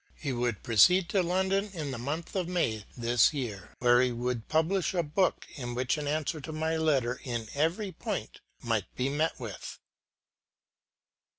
He would proceed to London in the month of May this year, where he would publish a book in which an answer to my letter in every point might be met with.